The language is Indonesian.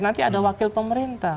nanti ada wakil pemerintah